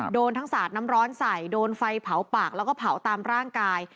โดนทั้งสาดน้ำร้อนใส่โดนไฟเผาปากแล้วก็เผาตามร่างกาย